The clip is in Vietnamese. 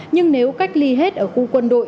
nhưng nếu cách ly hết ở khu quân đội